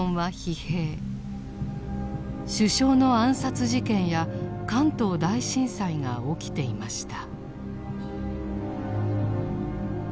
首相の暗殺事件や関東大震災が起きていました。